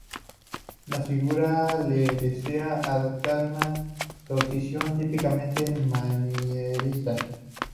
La figura de Leda adopta una torsión típicamente manierista.